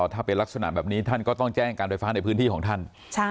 ถ้าเป็นลักษณะแบบนี้ท่านก็ต้องแจ้งการไฟฟ้าในพื้นที่ของท่าน